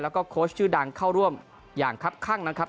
แล้วก็โค้ชชื่อดังเข้าร่วมอย่างครับข้างนะครับ